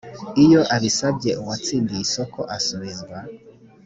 iyo abisabye uwatsindiye isoko asubizwa